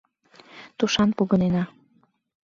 Тушан погынена.